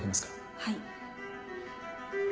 はい。